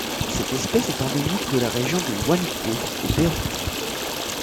Cette espèce est endémique de la région de Huanuco au Pérou.